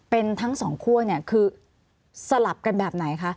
เป็นทั้งสองคั่วเนี่ยคือสลับกันแบบไหนคะ